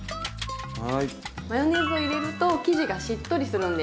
マヨネーズを入れると生地がしっとりするんです。